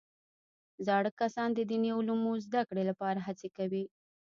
زاړه کسان د دیني علومو زده کړې لپاره هڅې کوي